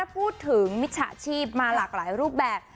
มิจฉาชีพมาหลากหลายรูปแบบ